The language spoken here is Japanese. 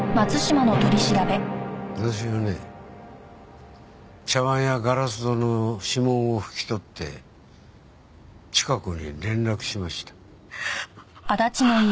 私はね茶碗やガラス戸の指紋を拭き取ってチカ子に連絡しました。